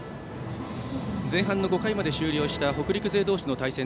前半の５回まで終了した北陸勢同士の対戦。